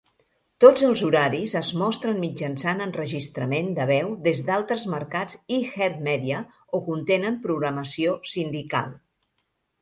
Tots els horaris es mostren mitjançant enregistrament de veu des d'altres mercats iHeartMedia o contenen programació sindical.